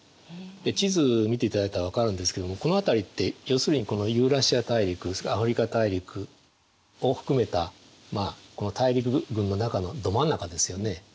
地図を見ていただいたら分かるんですけどもこの辺りって要するにこのユーラシア大陸それからアフリカ大陸を含めた大陸群の中のど真ん中ですよね。